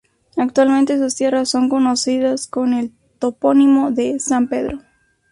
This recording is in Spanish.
Actualmente sus tierras son conocidas con el topónimo de "San Pedro".